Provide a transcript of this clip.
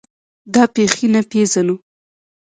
دا بېخي نه پېژنو.